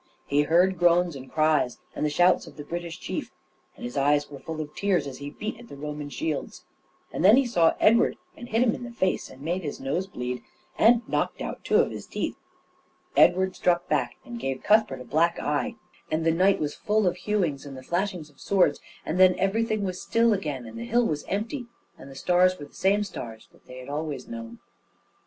He heard groans and cries and the shouts of the British chief, and his eyes were full of tears as he beat at the Roman shields; and then he saw Edward and hit him in the face, and made his nose bleed, and knocked out two of his teeth. Edward struck back, and gave Cuthbert a black eye, and the night was full of hewings and the flashings of swords; and then everything was still again, and the hill was empty, and the stars were the same stars that they had always known.